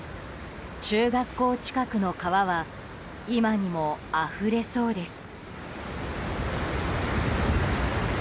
中学校近くの川は今にもあふれそうです。